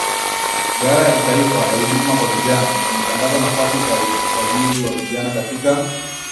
Idara ya kitaifa ya huduma kwa vijana imetangaza nafasi za usajili wa vijana katika